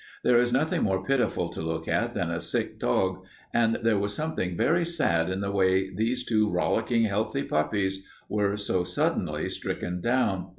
There is nothing more pitiful to look at than a sick dog, and there was something very sad in the way these two rollicking, healthy puppies were so suddenly stricken down.